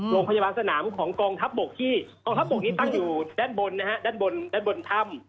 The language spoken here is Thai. โรงพยาบาลสนามของกองทัพบกที่ตั้งอยู่ด้านบนท่ำ